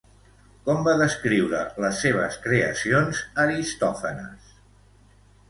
Com va descriure les seves creacions Aristòfanes?